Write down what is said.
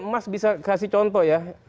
mas bisa kasih contoh ya